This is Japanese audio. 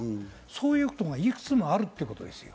そういうことがいくつもあるわけです。